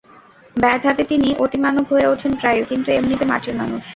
Bat হাতে তিনি অতিমানব হয়ে ওঠেন প্রায়ই, কিন্তু এমনিতে মাটির মানুষ।